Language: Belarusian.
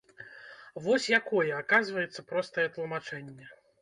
Вось якое, аказваецца, простае тлумачэнне!